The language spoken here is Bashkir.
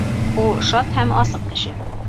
Ул шат һәм асыҡ кеше.